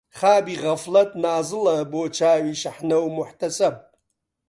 خابی غەفڵەت نازڵە بۆ چاوی شەحنە و موحتەسەب